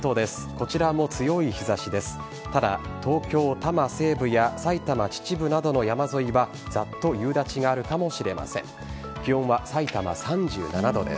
こちらも強い日差しです。